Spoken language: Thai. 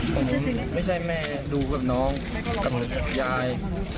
ผมไม่ใช่แม่ดูกับน้องกับยาย